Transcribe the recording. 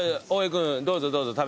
君どうぞどうぞ食べて。